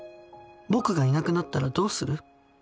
僕がいなくなったらどうする？